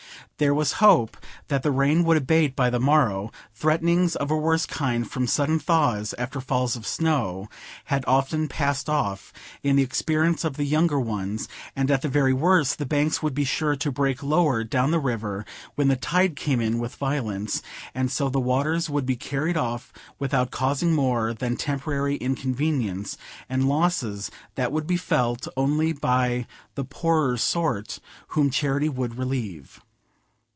There was hope that the rain would abate by the morrow; threatenings of a worse kind, from sudden thaws after falls of snow, had often passed off, in the experience of the younger ones; and at the very worst, the banks would be sure to break lower down the river when the tide came in with violence, and so the waters would be carried off, without causing more than temporary inconvenience, and losses that would be felt only by the poorer sort, whom charity would relieve.